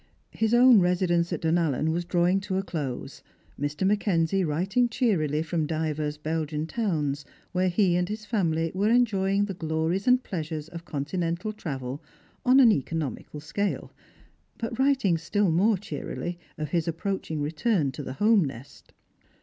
His^ own residence at Dunallen was drawing to a close ; Mr. McKenzie writing cheerily from divers Belgian towns, where he and his family were enjoying the glories and pleasures of continental travel, on an economical scale ; but writing still more cheerily of his approaching return to the home nest.